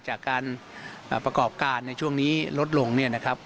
จากการประกอบการในช่วงนี้ลดลงเนี่ยนะครับ